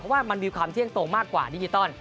เพราะว่ามันมีความเที่ยงโตมากกว่าดิจิตอล